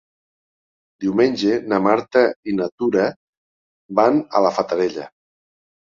Diumenge na Marta i na Tura van a la Fatarella.